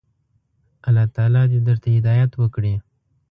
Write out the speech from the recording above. الله تعالی دي درته هدايت وکړي.